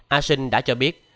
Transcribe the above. a sinh đã cho biết